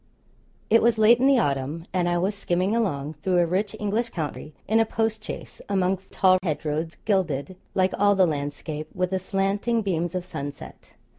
It was late in the autumn, and I was skimming along, through a rich English county, in a postchaise, among tall hedgerows gilded, like all the landscape, with the slanting beams of sunset.